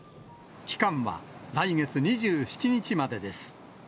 期間は来月２７日までです。